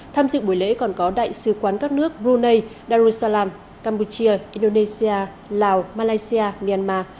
tham dự buổi lễ còn có đại sứ quán các nước brunei darussalam campuchia indonesia lào malaysia myanmar